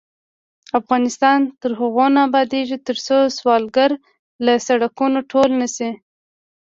افغانستان تر هغو نه ابادیږي، ترڅو سوالګر له سړکونو ټول نشي.